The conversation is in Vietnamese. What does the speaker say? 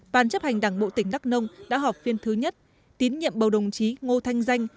ban chấp hành đảng bộ tỉnh đắk nông đã họp phiên thứ nhất tín nhiệm bầu đồng chí ngô thanh danh